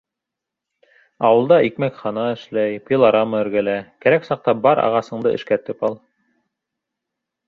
Ауылда икмәкхана эшләй, пилорама эргәлә, кәрәк саҡта бар ағасыңды эшкәртеп ал.